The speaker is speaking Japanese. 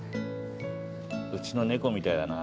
うちの猫みたいだな。